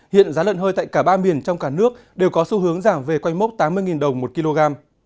hiện giá lợn hơi tại cả ba miền trong cả nước đều có xu hướng giảm về quanh mốc tám mươi đồng một kg